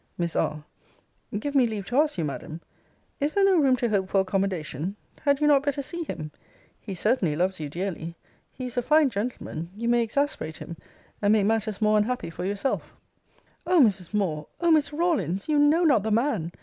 Miss R. Give me leave to ask you, Madam, Is there no room to hope for accommodation? Had you not better see him? He certainly loves you dearly: he is a fine gentleman; you may exasperate him, and make matters more unhappy for yourself. Cl. O Mrs. Moore! O Miss Rawlins! you know not the man!